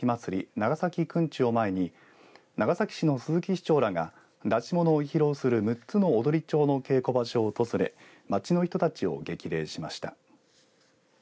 長崎くんちを前に長崎市の鈴木市長らが演し物を披露する６つの踊町の稽古場所を訪れ町の人たちを激励しました。